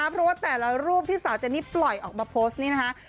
เพราะว่าแต่ละรูปที่สาวเจนี่ปล่อยออกมาโพสต์นี้นะคะ